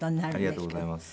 ありがとうございます。